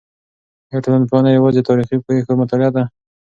آیا ټولنپوهنه یوازې د تاریخي پېښو مطالعه ده؟